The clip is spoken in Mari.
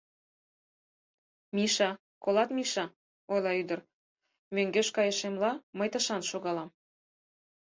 — Миша, колат, Миша, — ойла ӱдыр, — мӧҥгеш кайышемла мый тышан шогалам!